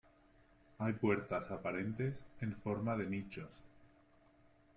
Hay puertas aparentes, en forma de nichos.